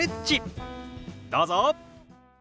どうぞ。